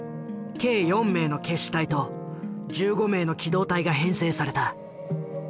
計４名の決死隊と１５名の機動隊が編成された。